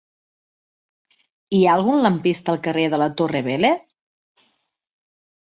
Hi ha algun lampista al carrer de la Torre Vélez?